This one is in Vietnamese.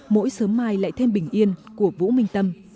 mỗi sớm mai lại thêm bình yên của vũ minh tâm